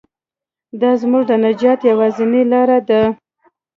دا زموږ د نجات یوازینۍ لاره ده.